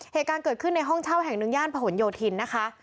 เหตุการณ์เกิดขึ้นในห้องเช่าแห่งหนึ่งย่านผนโยธินนะคะ